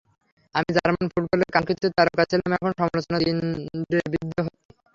আমি জার্মান ফুটবলের কাঙ্ক্ষিত তারকা ছিলাম, এখন সমালোচনার তিরে বিদ্ধ হচ্ছি।